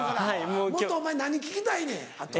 もっとお前何聞きたいねんあと。